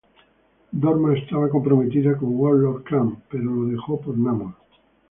Dorma estaba comprometida con Warlord Krang, pero lo dejó por Namor.